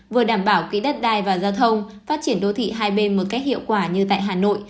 vừa đảm bảo kỹ đất đai và giao thông phát triển đô thị hai bên một cách hiệu quả như tại hà nội